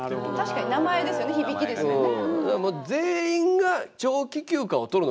確かに名前ですよね響きですよね。